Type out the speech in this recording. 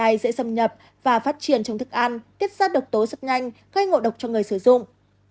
và phát triển trong thức ăn tiết xác độc tố rất nhanh gây ngộ độc cho người sử dụng